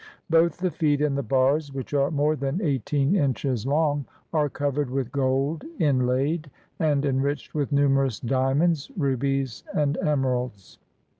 Both the feet and the bars, which are more than eighteen inches long, are covered with gold inlaid and enriched with numerous diamonds, rubies, and emeralds.